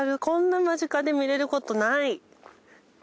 こんな間近で見れることない！